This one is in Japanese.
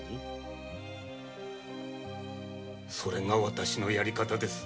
それが私のやり方です。